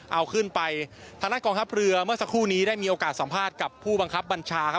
เอาขึ้นไปทางด้านกองทัพเรือเมื่อสักครู่นี้ได้มีโอกาสสัมภาษณ์กับผู้บังคับบัญชาครับ